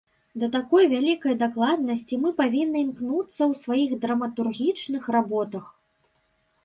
Да такой вялікай дакладнасці мы павінны імкнуцца ў сваіх драматургічных работах.